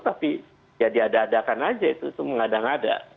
tapi ya diadakan aja itu mengadang ada